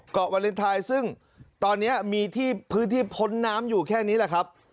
วาเลนไทยซึ่งตอนนี้มีที่พื้นที่พ้นน้ำอยู่แค่นี้แหละครับ